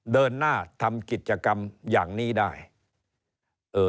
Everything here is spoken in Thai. เดินหน้าทำกิจกรรมอย่างนี้ได้เอ่อ